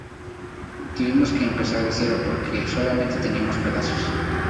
Tuvimos que empezar de cero porque solamente teníamos pedazos.